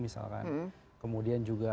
misalkan kemudian juga